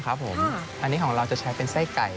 ครับผมอันนี้ของเราจะใช้เป็นไส้ไก่